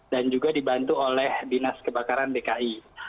dan juga dibantu oleh dinas kebakaran dki